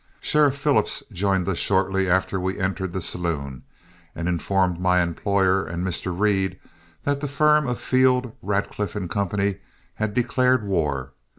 Sheriff Phillips joined us shortly after we entered the saloon, and informed my employer and Mr. Reed that the firm of Field, Radcliff & Co. had declared war.